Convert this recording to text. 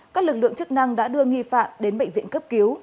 các lực lượng chức năng đã đưa nghi phạm đến bệnh viện cấp cứu